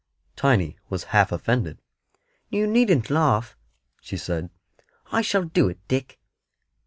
Tiny was half offended. "You needn't laugh," she said; "I shall do it, Dick."